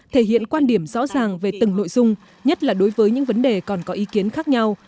thể hiện quan điểm rõ ràng về từng nội dung nhất là đối với những vấn đề còn có ý kiến khác nhau